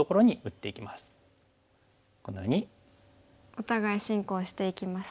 お互い進行していきますね。